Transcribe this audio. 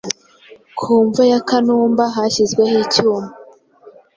Ku mva ya Kanumba hashyizweho icyuma